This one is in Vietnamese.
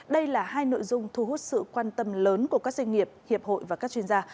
đây là hai nội dung thu hút sự quan tâm lớn của các doanh nghiệp hiệp hội và các chuyên gia